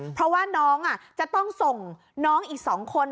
เพราะว่าน้องจะต้องส่งน้องอีก๒คน